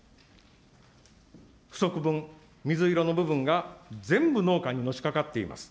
不足分、水色の部分が全部農家にのしかかっています。